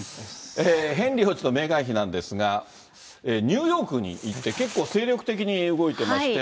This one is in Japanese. ヘンリー王子とメーガン妃なんですが、ニューヨークに行って、結構精力的に動いてまして。